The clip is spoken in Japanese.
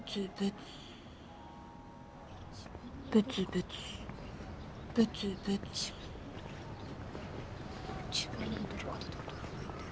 ブツブツブツブツ自分の踊り方で踊ればいいんだよ。